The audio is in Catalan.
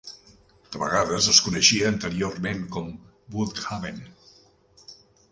De vegades es coneixia anteriorment com Bude Haven.